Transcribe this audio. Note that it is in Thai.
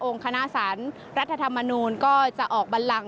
คณะสารรัฐธรรมนูลก็จะออกบันลัง